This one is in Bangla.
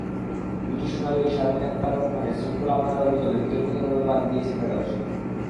দুটি সোনাজয়ী শারমিন আক্তার রত্নাকে শৃঙ্খলা ভাঙার অভিযোগে বিতর্কিতভাবে বাদ দিয়েছে ফেডারেশন।